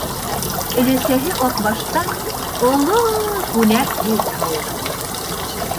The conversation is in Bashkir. Өләсәһе Аҡбаштан оло-о күнәк һөт һауып ала.